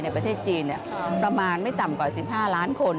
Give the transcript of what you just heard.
ประเทศจีนประมาณไม่ต่ำกว่า๑๕ล้านคน